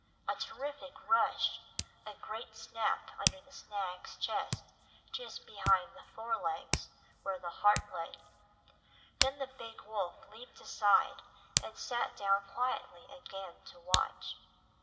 A terrific rush, a quick snap under the stag's chest just behind the fore legs, where the heart lay; then the big wolf leaped aside and sat down quietly again to watch.